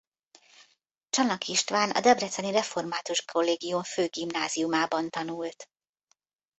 Csanak István a Debreceni Református Kollégium Főgimnáziumában tanult.